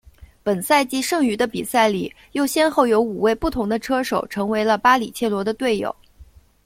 本赛季剩余的比赛里又先后有五位不同的车手成为了巴里切罗的队友。